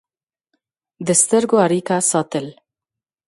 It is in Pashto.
د سترګو اړیکه ساتل